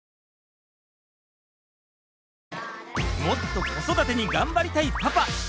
もっと子育てに頑張りたいパパ。